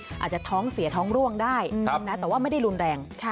อาจจะท้องเสียท้องร่วงได้แต่ว่าไม่ได้รุนแรง